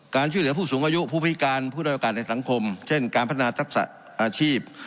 การชื่อเหลือผู้สูงอายุผู้พิการผู้โดยการในสังคมเช่นการพัฒนาศักดิ์ศักดิ์ศักดิ์อาชีพ